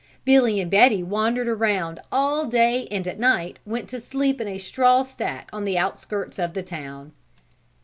Billy and Betty wandered around all day and at night went to sleep in a straw stack on the outskirts of the town.